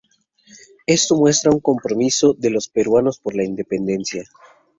Esto muestra un compromiso de los peruanos por la independencia.